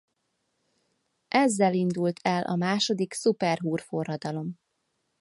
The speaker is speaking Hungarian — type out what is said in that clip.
Ezzel indult el a második szuperhúr-forradalom.